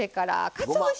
かつお節。